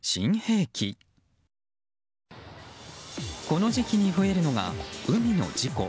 この時期に増えるのが海の事故。